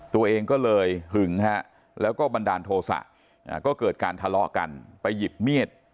ตัวเองก็เลยหึงฮะแล้วก็บันดาลโทษะก็เกิดการทะเลาะกันไปหยิบมีด